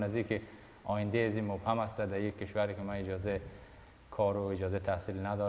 dan tidak dapat bekerja di negara yang mempunyai kemampuan untuk belajar